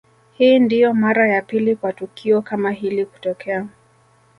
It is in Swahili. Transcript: Hii ndio mara ya pili kwa tukio kama hilo kutokea